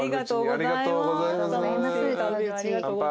ありがとうございます乾杯。